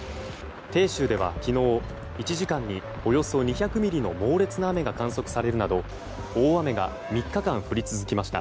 鄭州では昨日１時間におよそ２００ミリの猛烈な雨が観測されるなど大雨が３日間降り続きました。